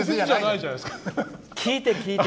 聞いて、聞いて。